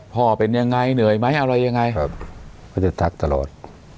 พ่อเป็นยังไงเหนื่อยไหมอะไรยังไงก็จะทักตลอด